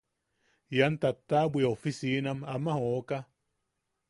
Ian tattabwi oficinam ama jooka.